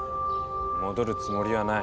戻るつもりはない。